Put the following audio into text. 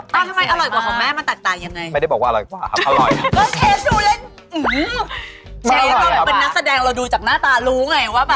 ผมไม่ห้าเท่ากันครับ